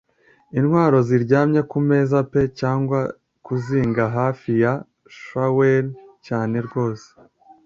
Intwaro ziryamye kumeza pe cyangwa kuzinga hafi ya shaweli cyane rwose